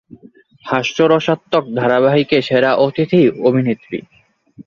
হাস্যরসাত্মক ধারাবাহিকে সেরা অতিথি অভিনেত্রী